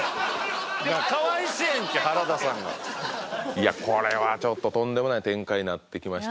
いやこれはちょっととんでもない展開になってきました。